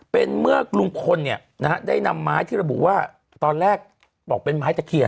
เป็นเมื่อลุงพลเนี่ยนะฮะได้นำไม้ที่ระบุว่าตอนแรกบอกเป็นไม้ตะเคียน